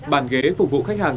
bàn ghế phục vụ khách hàng